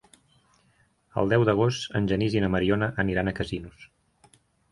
El deu d'agost en Genís i na Mariona aniran a Casinos.